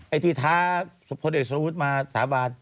ไอ้ที่ท้าพลเอกสรวุฒิมาสาบาน